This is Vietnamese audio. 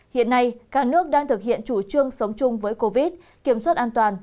hiện nay cả nước đang thực hiện chủ trương sống chung với covid kiểm soát an toàn